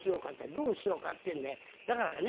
「どうしようかってんでだからね